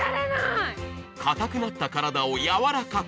固くなった体を柔らかく、